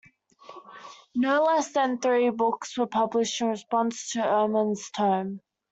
No less than three books were published in response to Ehrman's tome.